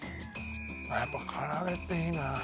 やっぱ唐揚げっていいな！